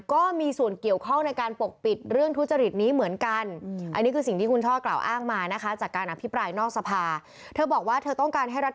ก็มีส่วนเกี่ยวข้องในการปกปิดเรื่องทุจริตนี้เหมือนกัน